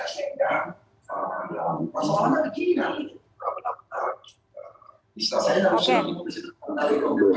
sehingga dalam pasokan lagi yang juga benar benar bisa berkongsi